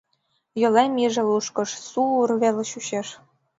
Йолем иже лушкыш: су-у-р веле чучеш.